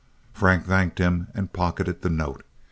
Frank thanked him and pocketed the note.